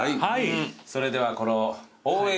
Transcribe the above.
それではこの。